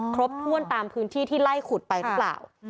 ครบถ้วนตามพื้นที่ที่ไล่ขุดไปหรือเปล่า